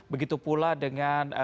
begitu pula dengan